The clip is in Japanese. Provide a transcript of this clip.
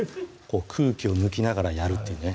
空気を抜きながらやるっていうね